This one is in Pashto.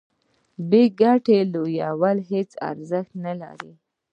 بې ګټې لویوالي هیڅ ارزښت نلري.